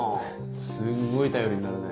すごい頼りになるね。